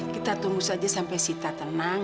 kita tunggu saja sampai sita tenang